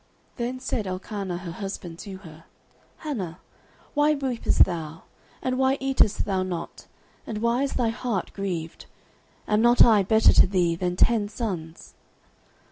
09:001:008 Then said Elkanah her husband to her, Hannah, why weepest thou? and why eatest thou not? and why is thy heart grieved? am not I better to thee than ten sons?